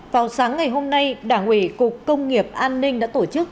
vào sáng ngày hôm nay đảng ủy cục công nghiệp an ninh đã tổ chức